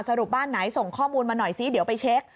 สรุปบ้านไหนส่งข้อมูลมาหน่อยซิเดี๋ยวไปเช็ค